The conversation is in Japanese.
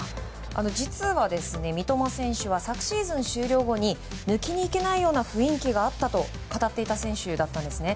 実は、三笘選手は昨シーズン終了後に抜きにいけないような雰囲気があったと語っていた選手だったんですね。